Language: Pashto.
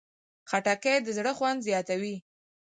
خټکی د زړه خوند زیاتوي.